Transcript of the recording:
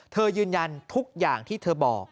ยืนยันทุกอย่างที่เธอบอก